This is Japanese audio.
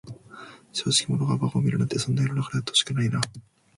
正直者が馬鹿を見るなんて、そんな世の中であってほしくないな。